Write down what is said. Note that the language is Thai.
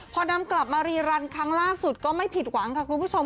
พอนำกลับมารีรันครั้งล่าสุดก็ไม่ผิดหวังค่ะคุณผู้ชม